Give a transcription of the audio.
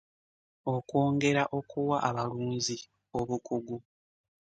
Okwongera okuwa abalunzi obukugu.